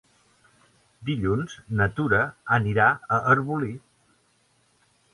Dilluns na Tura anirà a Arbolí.